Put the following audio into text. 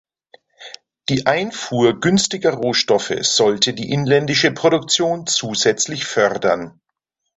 Die Einfuhr günstiger Rohstoffe sollte die inländische Produktion zusätzlich fördern.